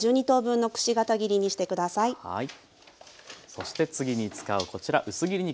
そして次に使うこちら薄切り肉